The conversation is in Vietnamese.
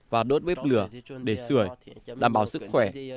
và đốt bếp lửa để sửa đảm bảo sức khỏe